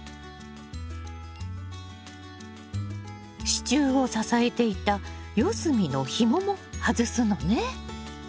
支柱を支えていた四隅のひもも外すのね。